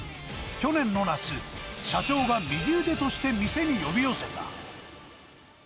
去年の夏、社長が右腕として店に呼び寄せた。